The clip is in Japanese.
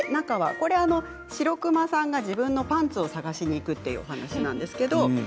シロクマさんが自分のパンツを探しに行くというお話です。